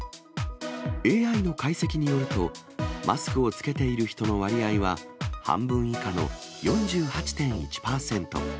ＡＩの解析によると、マスクを着けている人の割合は、半分以下の４８．１％。